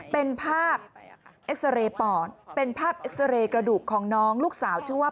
เป็นภาพเอ็กซาเรย์ปอดเป็นภาพเอ็กซาเรย์กระดูกของน้องลูกสาวชื่อว่า